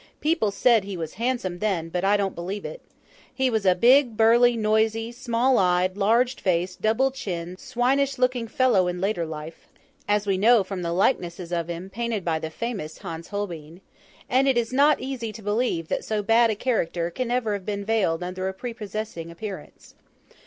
People said he was handsome then; but I don't believe it. He was a big, burly, noisy, small eyed, large faced, double chinned, swinish looking fellow in later life (as we know from the likenesses of him, painted by the famous Hans Holbein), and it is not easy to believe that so bad a character can ever have been veiled under a prepossessing appearance.